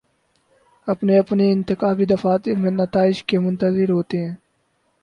اپنے اپنے انتخابی دفاتر میں نتائج کے منتظر ہوتے ہیں